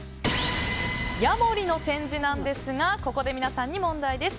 ヤモリの展示なんですがここで皆さんに問題です。